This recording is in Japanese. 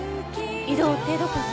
異動ってどこに？